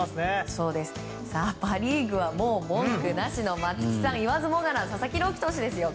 パ・リーグは文句なしの松木さん言わずもがな佐々木朗希投手ですよ。